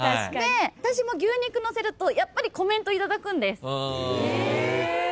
私も牛肉載せるとやっぱりコメントいただくんです。